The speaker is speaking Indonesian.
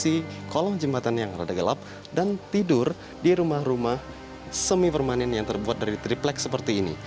mereka berada di kondisi kolong jembatan yang agak gelap dan tidur di rumah rumah semi permanen yang terbuat dari triplex seperti ini